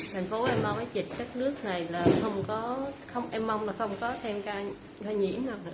thành phố em mong cái dịch các nước này là không có em mong là không có thêm ca nhiễm nào nữa